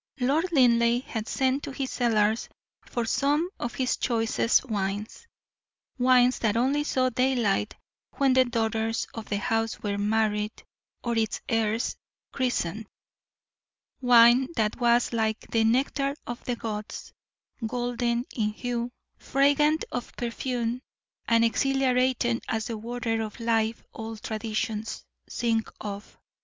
Lord Linleigh had sent to his cellars for some of his choicest wines wines that only saw daylight when the daughters of the house were married or its heirs christened wine that was like the nectar of the gods, golden in hue, fragrant of perfume, and exhilarating as the water of life old traditions sing of.